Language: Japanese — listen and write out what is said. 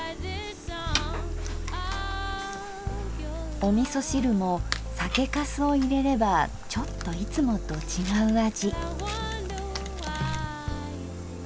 おみそ汁も酒かすを入れればちょっといつもと違う味。